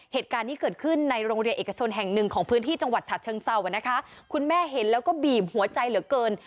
เหตุการณ์ที่เกิดขึ้นในโรงเรียนเอกชนแห่งหนึ่งของพื้นที่จังหวัดฉะเชิงเศร้าอ่ะนะคะคุณแม่เห็นแล้วก็บีบหัวใจเหลือเกิน